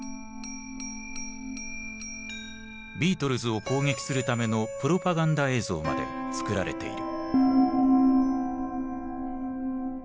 ビートルズを攻撃するためのプロパガンダ映像まで作られている。